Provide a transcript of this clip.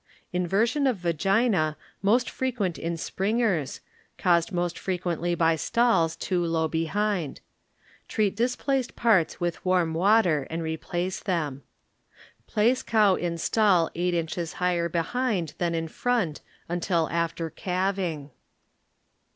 iNVEHsroN OF Vagina most frequent in springers, caused most frequently by stalls too low behind. Treat displaced parts with warm water and replace them. ,v Google CLASSIFIED BUSINESS DIBECTOBY Place cow in stall eight inches higher be hind than in front until after calving.